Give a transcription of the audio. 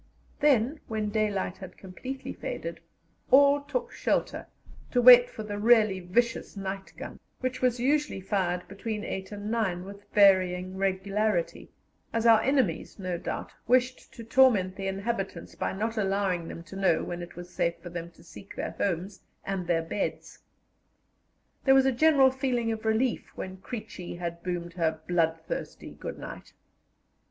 Then, when daylight had completely faded, all took shelter, to wait for the really vicious night gun, which was usually fired between eight and nine with varying regularity, as our enemies, no doubt, wished to torment the inhabitants by not allowing them to know when it was safe for them to seek their homes and their beds. There was a general feeling of relief when "Creechy" had boomed her bloodthirsty "Good night."